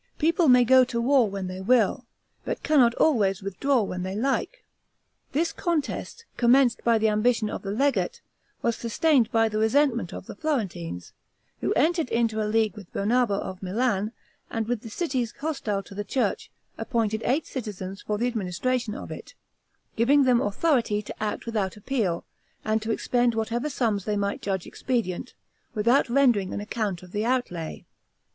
People may go to war when they will, but cannot always withdraw when they like. This contest, commenced by the ambition of the legate, was sustained by the resentment of the Florentines, who, entering into a league with Bernabo of Milan, and with the cities hostile to the church, appointed eight citizens for the administration of it, giving them authority to act without appeal, and to expend whatever sums they might judge expedient, without rendering an account of the outlay.